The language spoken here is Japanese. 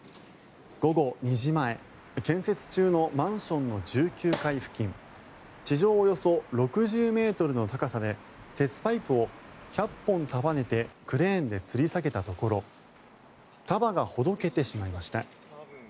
午後２時前建設中のマンションの１９階付近地上およそ６０ｍの高さで鉄パイプを１００本束ねてクレーンでつり下げたところ束がほどけてしまいました。